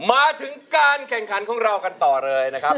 มาถึงการแข่งขันของเรากันต่อเลยนะครับ